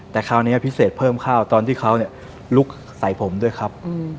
แต่คราวนี้พิเศษเพิ่มข้าวตอนที่เขาลุกใส่ผมด้วยครับ